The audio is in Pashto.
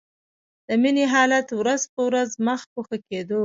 د مينې حالت ورځ په ورځ مخ په ښه کېدو و